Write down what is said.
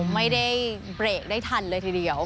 ไม่ได้เบรกได้ทันเลยทีเดียว